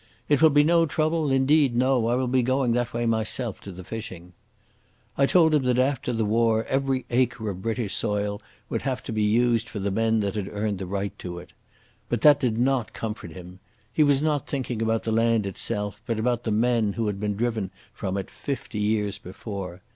"It will be no trouble. Indeed no. I will be going that way myself to the fishing." I told him that after the war, every acre of British soil would have to be used for the men that had earned the right to it. But that did not comfort him. He was not thinking about the land itself, but about the men who had been driven from it fifty years before.